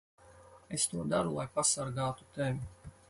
Es to daru, lai pasargātu tevi.